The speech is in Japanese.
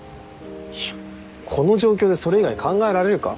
いやこの状況でそれ以外考えられるか？